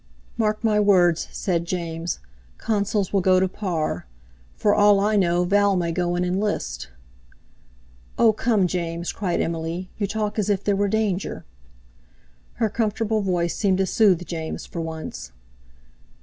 "Mark my words!" said James, "consols will go to par. For all I know, Val may go and enlist." "Oh, come, James!" cried Emily, "you talk as if there were danger." Her comfortable voice seemed to soothe James for once.